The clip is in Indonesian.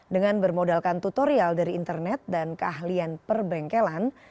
dengan bermodalkan tutorial dari internet dan keahlian perbengkelan